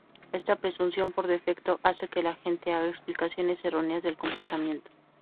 Esta presunción por defecto hace que la gente haga explicaciones erróneas del comportamiento.